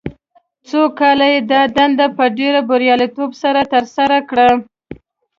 څو کاله یې دا دنده په ډېر بریالیتوب سره ترسره کړه.